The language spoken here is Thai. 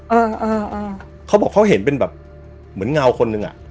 อ่าอ่าเขาบอกเขาเห็นเป็นแบบเหมือนเงาคนหนึ่งอ่ะ